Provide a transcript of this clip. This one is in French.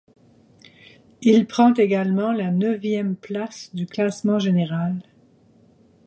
Il prend également la neuvième place du classement général.